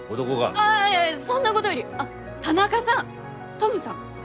ああいやいやそんなごどより田中さんトムさん。